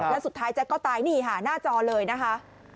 แล้วสุดท้ายแจ๊กก็ตายนี่ค่ะหน้าจอเลยนะคะ